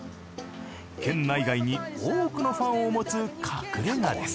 県内外に多くのファンを持つ隠れ家です。